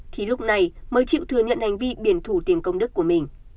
thì lúc này mới chịu thừa nhận hành vi biển thủ tiền công đức của mình